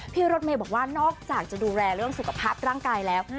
รถเมย์บอกว่านอกจากจะดูแลเรื่องสุขภาพร่างกายแล้ว